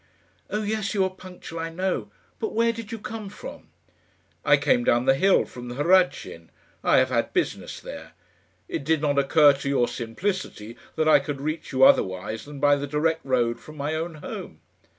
"Oh yes, you are punctual, I know; but where did you come from?" "I came down the hill from the Hradschin. I have had business there. It did not occur to your simplicity that I could reach you otherwise than by the direct road from my own home."